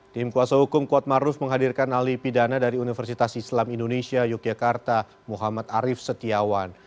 tim kuasa hukum kuat maruf menghadirkan ahli pidana dari universitas islam indonesia yogyakarta muhammad arief setiawan